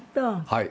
はい。